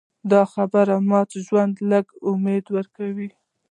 دې خبرې ماته د ژوند لږ امید راکړ